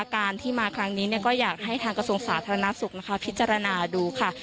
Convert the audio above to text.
โดยการที่มาครั้งนี้เนี่ยอายากให้กระทรวงศาสตร์ธรรณะสุขพิจารณาดูค่ะ